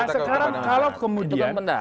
sekarang kalau kemudian